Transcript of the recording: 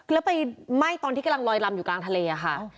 แล้วไปไหม้ตอนที่กำลังลอยลำอยู่กลางทะเลค่ะ